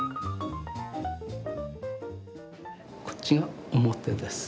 こっちが表です。